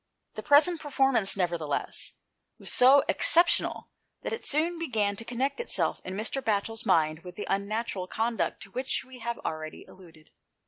The present performance, nevertheless, was so ex ceptional that it soon began to connect itself in Mr. Batchel's mind with the unnatural conduct to which we have already alluded.